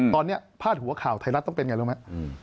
ตอนนี้พาดหัวข่าวไทยรัฐต้องเป็นไงรู้ไหม